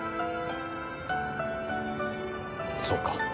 そうか。